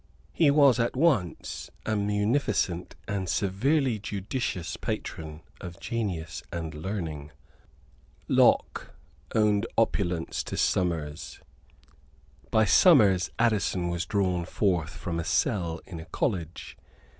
He was at once a munificent and severely judicious patron of genius and learning. Locke owed opulence to Somers. By Somers Addison was drawn forth from a cell in a college.